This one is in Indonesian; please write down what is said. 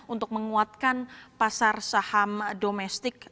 untuk menguatkan pasar saham domestik